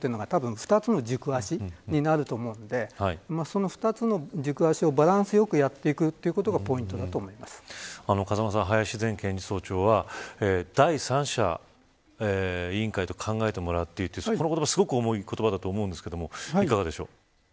そこが２つの軸足になると思うのでその２つの軸足をバランスよくやっていくことが風間さん、林前検事総長は第三者委員会と考えてもらっていいとすごく重い言葉だと思うんですけどいかがでしょう。